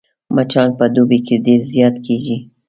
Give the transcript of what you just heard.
مچان په دوبي کې ډېر زيات کېږي